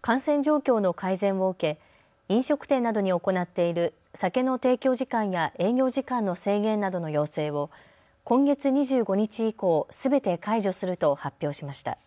感染状況の改善を受け飲食店などに行っている酒の提供時間や営業時間の制限などの要請を今月２５日以降すべて解除すると発表しました。